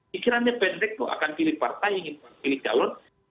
pikirannya pendek akan pilih partai pilih calon